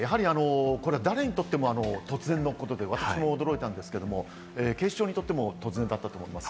誰になっても突然のことで、私も驚いたんですけれど、警視庁にとっても突然だったと思います。